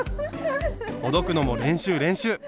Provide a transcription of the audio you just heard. ほどくのも練習練習！